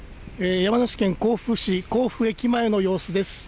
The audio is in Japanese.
山梨県甲府市甲府駅前の様子です。